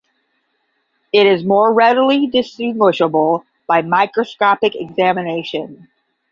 It is more readily distinguishable by microscopic examination.